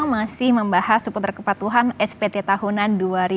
masih membahas seputar kepatuhan spt tahunan dua ribu dua puluh